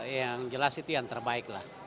yang jelas itu yang terbaik lah